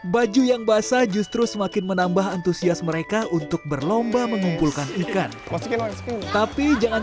baju yang basah justru semakin menambah antusias mereka untuk berlomba mengumpulkan ikan tapi jangan